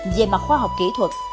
về mặt khoa học kỹ thuật